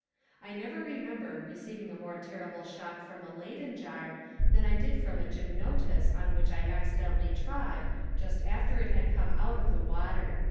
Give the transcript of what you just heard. "I never remember receiving a more terrible shock from a Leyden jar than I did from a gymnotus on which I accidentally trod just after it came out of the water."